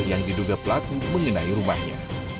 yang diduga pelaku mengenai rumahnya